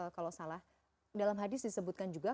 kalau salah dalam hadis disebutkan juga